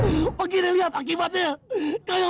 masjid ini mau dibakar